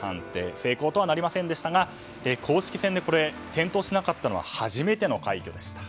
成功とはなりませんでしたが公式戦で転倒しなかったのは初めての快挙でした。